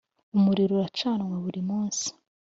umuriro ucanwa buri munsi .